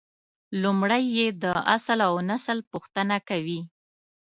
لومړی یې د اصل اونسل پوښتنه کوي.